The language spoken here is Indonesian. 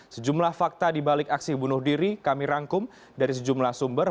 sejumlah fakta dibalik aksi bunuh diri kami rangkum dari sejumlah sumber